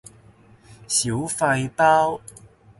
小廢包